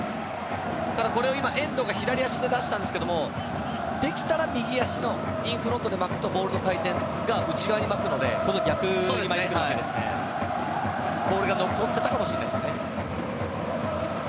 ただ、これを今遠藤が左足で出したんですけどできたら、右足のインフロントで巻くとボールの回転が内側に巻くので逆に巻いてきてボールが残ってたかもしれないですね。